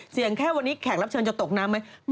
แค่วันนี้แขกรับเชิญจะตกน้ำไหม